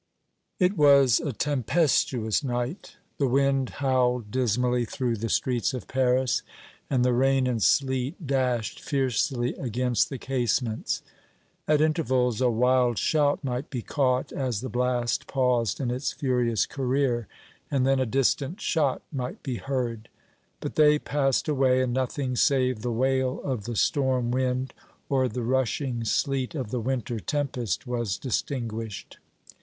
It was a tempestuous night. The wind howled dismally through the streets of Paris, and the rain and sleet dashed fiercely against the casements. At intervals a wild shout might be caught as the blast paused in its furious career, and then a distant shot might be heard. But they passed away, and nothing save the wail of the storm wind or the rushing sleet of the winter tempest was distinguished.